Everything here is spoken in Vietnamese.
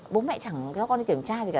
bố mẹ chẳng theo con đi kiểm tra gì cả